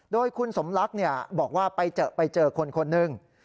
โดยคุณสมรักษ์เนี่ยบอกว่าไปเจอคนหนึ่ง